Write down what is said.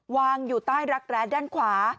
วางอยู่ใต้รักแร้ด้านขวา